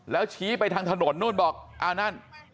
แล้วชี้ไปทางถนนนู่นบอกอ้าวนั่น